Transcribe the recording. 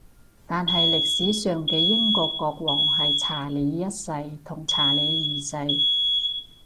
但係歷史上嘅英國國王係查理一世同查理二世